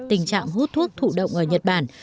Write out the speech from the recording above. tình trạng hút thuốc thụ động ở nhật bản